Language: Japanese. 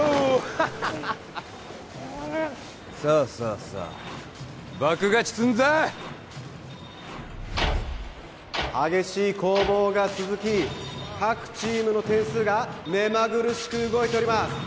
ハハハハさあさあさあ爆勝ちすんぞ激しい攻防が続き各チームの点数が目まぐるしく動いております